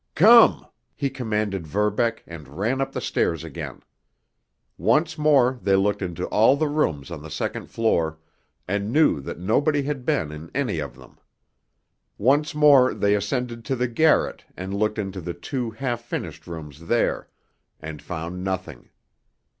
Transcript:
"Come!" he commanded Verbeck, and ran up the stairs again. Once more they looked into all the rooms on the second floor, and knew that nobody had been in any of them. Once more they ascended to the garret and looked into the two half finished rooms there—and found nothing.